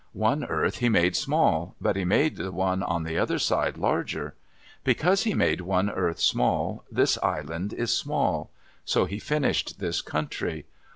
One earth he made small, but he made the one on the other side larger. Because he made one earth small, this island is small. So he finished this country.